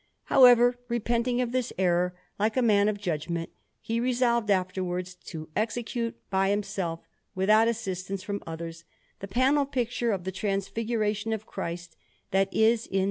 However, repenting of this error, like a man of judgment, he resolved afterwards to execute by himself, without assistance from others, the panel picture of the Transfiguration of Christ that is in S.